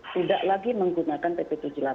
tidak lagi menggunakan pp tujuh puluh delapan